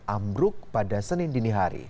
ambruk pada senin dinihari